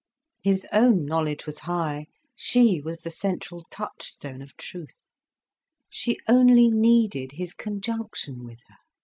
His own knowledge was high, she was the central touchstone of truth. She only needed his conjunction with her.